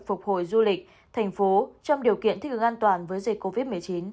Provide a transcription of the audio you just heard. phục hồi du lịch thành phố trong điều kiện thích ứng an toàn với dịch covid một mươi chín